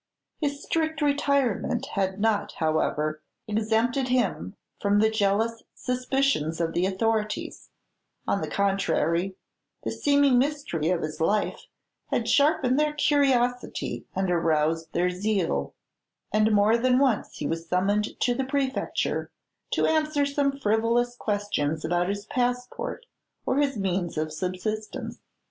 His strict retirement had not, however, exempted him from the jealous suspicions of the authorities; on the contrary, the seeming mystery of his life had sharpened their curiosity and aroused their zeal; and more than once was he summoned to the Prefecture to answer some frivolous questions about his passport or his means of subsistence.